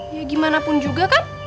ya gimana pun juga kan